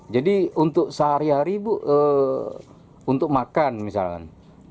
jadi untuk sehari hari bu untuk makan misalnya